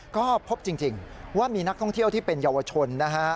ก็พบจริงว่ามีนักท่องเที่ยวที่เป็นเยาวชนนะฮะ